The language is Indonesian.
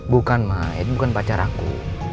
bukan mah itu bukan pacar aku